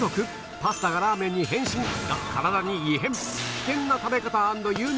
パスタがラーメンに変身が体に異変！